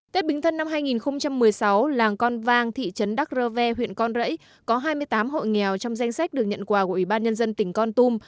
tết bính thân năm hai nghìn một mươi sáu làng con vang thị trấn đắc rơ ve huyện con rẫy có hai mươi tám hộ nghèo trong danh sách được nhận quà của ủy ban nhân dân tỉnh con tum